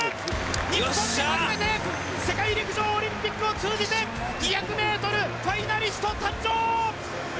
日本人、初めて世界陸上オリンピックを通じて２００ｍファイナリスト誕生！